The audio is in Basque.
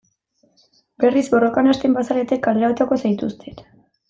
Berriz borrokan hasten bazarete kalera botako zaituztet.